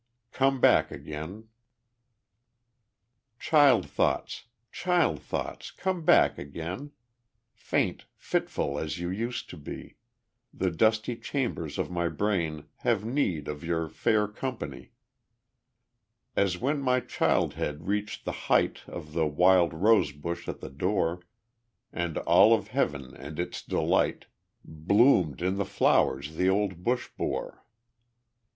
Come Back Again Child thoughts, child thoughts, come back again! Faint, fitful, as you used to be; The dusty chambers of my brain Have need of your fair company, As when my child head reached the height Of the wild rose bush at the door, And all of heaven and its delight Bloomed in the flow'rs the old bush bore.